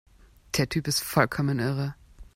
Der Typ ist vollkommen irre!